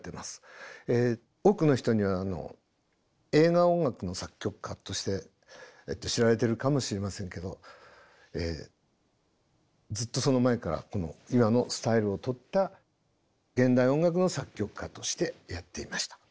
多くの人には映画音楽の作曲家として知られてるかもしれませんけどずっとその前から今のスタイルをとった現代音楽の作曲家としてやっていました。